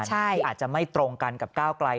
ที่อาจจะไม่ตรงกันกับก้าวไกล